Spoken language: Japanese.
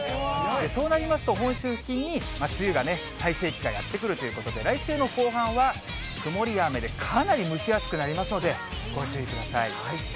そうなりますと、本州付近に梅雨の最盛期がやって来るということで、来週の後半は曇りや雨でかなり蒸し暑くなりますので、ご注意ください。